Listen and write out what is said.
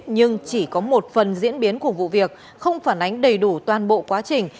nhưng chỉ có một phần diễn biến của vụ việc không phản ánh đầy đủ toàn bộ quá trình